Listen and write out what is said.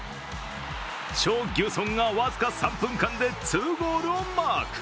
チョ・ギュソンが僅か３分間で２ゴールをマーク。